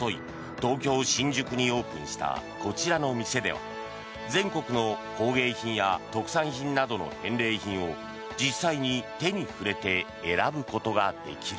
東京・新宿にオープンしたこちらの店では全国の工芸品や特産品などの返礼品を実際に手に触れて選ぶことができる。